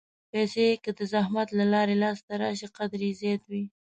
پېسې که د زحمت له لارې لاسته راشي، قدر یې زیات وي.